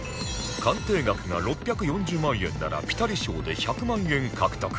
鑑定額が６４０万円ならピタリ賞で１００万円獲得